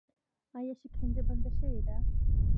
آیا شکنجه بنده شوې ده؟